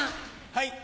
はい。